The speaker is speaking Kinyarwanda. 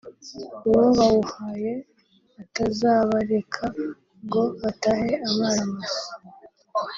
uwo bawuhaye atazabareka ngo batahe amara masa